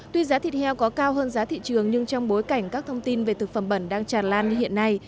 tuy giá thịt heo có cao hơn giá thị trường nhưng trong bối cảnh các thông tin về thực phẩm bẩn đang tràn lan như hiện nay